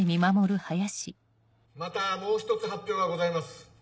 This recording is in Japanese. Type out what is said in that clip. またもう１つ発表がございます。